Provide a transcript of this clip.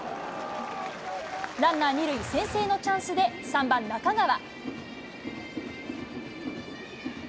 ランナー２塁、先制のチャンスで、３番中川。